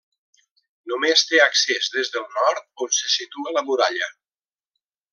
Només té accés des del nord, on se situa la muralla.